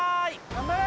頑張れ！